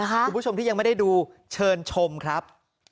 คุณผู้ชมที่ยังไม่ได้ดูเชิญชมครับ